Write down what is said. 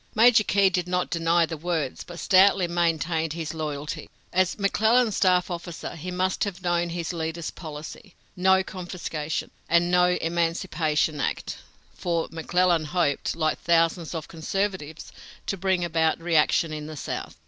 Major Key did not deny the words, but stoutly maintained his loyalty. As McClellan's staff officer, he must have known his leader's policy no confiscation, and no Emancipation Act for McClellan hoped, like thousands of conservatives, to bring about reaction in the South.